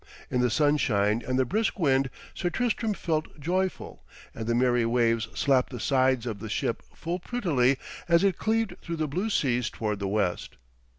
In the sunshine and the brisk wind Sir Tristram felt joyful, and the merry waves slapped the sides of the ship full prettily as it cleaved through the blue seas towards the west.